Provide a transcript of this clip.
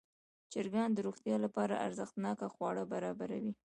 چرګان د روغتیا لپاره ارزښتناک خواړه برابروي.